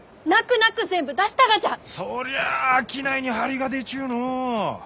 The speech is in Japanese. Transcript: そりゃあ商いに張りが出ちゅうのう。